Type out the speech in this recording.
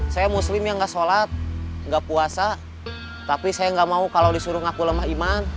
saya muslim yang nggak sholat nggak puasa tapi saya nggak mau kalau disuruh ngaku lemah iman